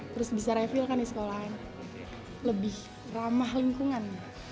terus bisa refill kan di sekolah lebih ramah lingkungan